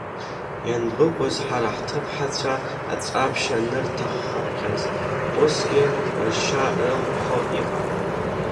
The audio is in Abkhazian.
Ианбыкәыз ҳара ҳҭыԥҳацәа аҵәаԥшь анырҭаххахьаз, усгьы ршьа рылԥхо иҟан.